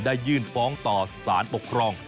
ยื่นฟ้องต่อสารปกครอง